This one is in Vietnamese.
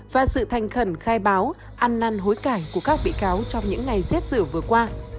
và sự thành khẩn khai báo ăn năn hối cải của các bị cáo trong những ngày xét xử vừa qua